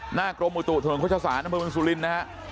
หน้ากรมอุตุธุลงควชฌาษาน้ำพลวงสุลินนะฮะ